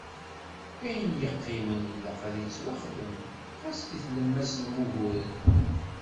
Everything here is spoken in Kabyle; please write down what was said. Ayen i d-yeqqimen ilaq ad yettwaxdem, ɣas di tlemmast n wuguren.